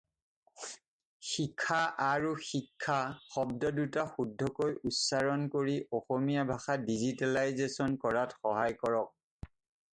"শিখা আৰু শিক্ষা" শব্দ-দুটা শুদ্ধকৈ উচ্চাৰণ কৰি অসমীয়া ভাষা ডিজিটেলাইজেচন কৰাত সহায় কৰক।